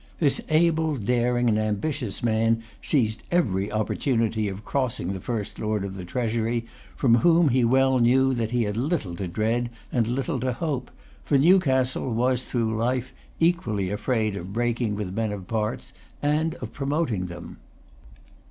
This able, daring, and ambitious man seized every opportunity of crossing the First Lord of the Treasury, from whom he well knew that he had little to dread and little to hope; for Newcastle was through life equally afraid of breaking with men of parts and of promoting them.